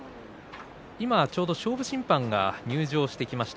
今ちょうど勝負審判が入場してきました。